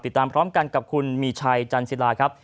ติดตามพร้อมกันกับคุณมีชัยจันศิลาครับ